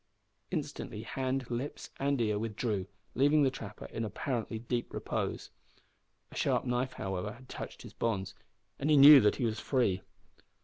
Instantly hand, lips, and ear withdrew, leaving the trapper in apparently deep repose. A sharp knife, however, had touched his bonds, and he knew that he was free.